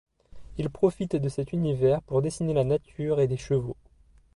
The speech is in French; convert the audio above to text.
Il profite de cet univers pour dessiner la nature et des chevaux.